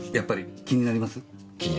気になりますねぇ。